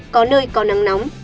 có nơi có nắng nóng